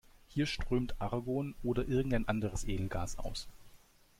Hier strömt Argon oder irgendein anderes Edelgas aus.